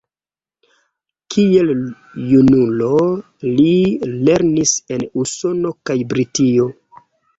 Kiel junulo, li lernis en Usono kaj Britio.